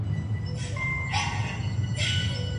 شاعر: ایلا ویلر ویلکا کس